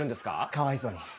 かわいそうに。